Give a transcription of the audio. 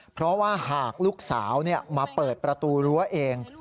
เพราะว่าหากลูกสาวมาเปิดประตูรั้วเอง